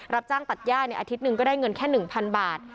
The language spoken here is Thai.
รับจ้างตัดย่าอาทิตย์หนึ่งก็ได้เงินแค่๑๐๐บาท